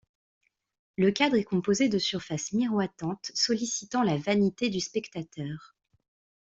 Le cadre est composé de surfaces miroitantes sollicitant la vanité du spectateur.